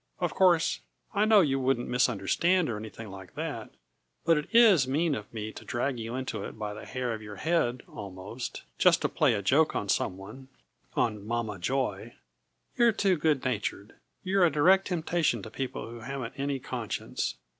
Of course, I know you wouldn't misunderstand or anything like that, but it is mean of me to drag you into it by the hair of the head, almost, just to play a joke on some one on Mama Joy. You're too good natured. You're a direct temptation to people who haven't any conscience.